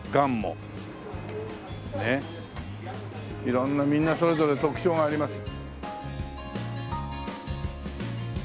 色んなみんなそれぞれ特徴があります。